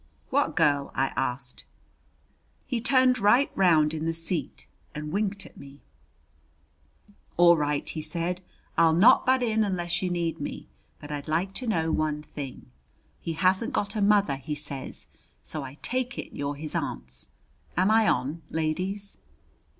"What girl?" I asked. He turned right round in the seat and winked at me. "All right," he said. "I'll not butt in unless you need me. But I'd like to know one thing: He hasn't got a mother, he says, so I take it you're his aunts. Am I on, ladies?"